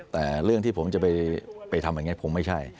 แต่เรื่องที่ผมจะไปทำอย่างนี้ผมไม่ใช่